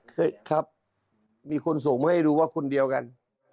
ครับมีคนส่งมาให้ดูว่าคนเดียวกัน